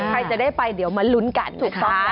ใครจะได้ไปเดี๋ยวมาลุ้นกันค่ะ